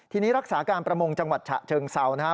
ทีนี้รักษาการประมงจังหวัดฉะเชิงเซานะครับ